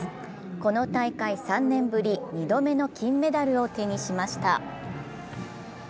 この大会、３年ぶり、２度目の金メダルを手にしました。